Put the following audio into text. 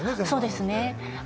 そうですね。